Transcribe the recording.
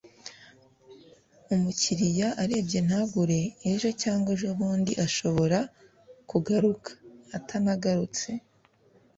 umukiriya arebye ntagure. ejo cyangwa ejobundi ashobora kugaruka. atanagarutse